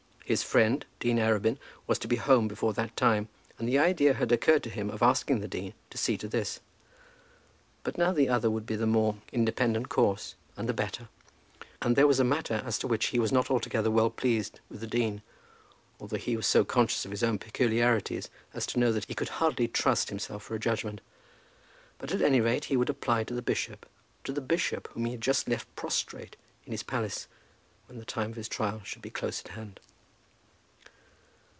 His friend, Dean Arabin, was to be home before that time, and the idea had occurred to him of asking the dean to see to this; but now the other would be the more independent course, and the better. And there was a matter as to which he was not altogether well pleased with the dean, although he was so conscious of his own peculiarities as to know that he could hardly trust himself for a judgment. But, at any rate, he would apply to the bishop, to the bishop whom he had just left prostrate in his palace, when the time of his trial should be close at hand.